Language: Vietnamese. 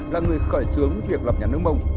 là người khởi xướng việc lập nhà nước mông